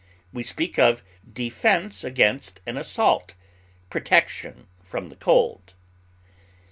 We speak of defense against an assault, protection from the cold.